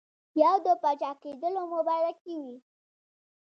یو د پاچاکېدلو مبارکي وي.